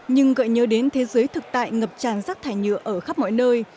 nhưng gợi nhớ đến thế giới thực tại ngập tràn rác thải nhựa ở khắp mọi nơi